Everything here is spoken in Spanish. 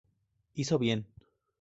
Hizo bien.